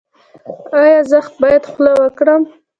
ایا زه باید خوله وکړم؟